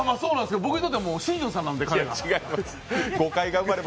僕にとっては新庄さんなので、彼が。